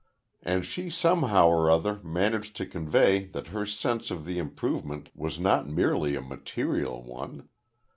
And she somehow or other managed to convey that her sense of the improvement was not merely a material one.